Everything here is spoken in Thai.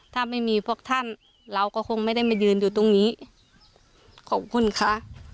ถ้าไม่มีพวกท่านเราก็คงไม่ได้มายืนอยู่ตรงนี้ขอบคุณค่ะ